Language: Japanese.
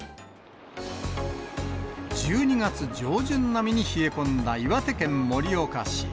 １２月上旬並みに冷え込んだ岩手県盛岡市。